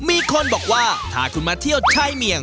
มีคนบอกว่าถ้าคุณมาเที่ยวชายเมียง